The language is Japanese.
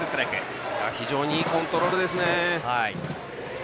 非常にいいコントロールです。